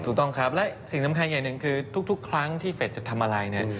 ถูกต้องครับและสิ่งสำคัญอย่างหนึ่งคือทุกครั้งที่เฟสจะทำอะไรเนี่ย